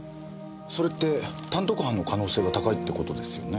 それって単独犯の可能性が高いって事ですよね？